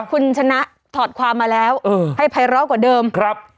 คุณชนะถอดความมาแล้วเออให้ภัยร้อกว่าเดิมครับ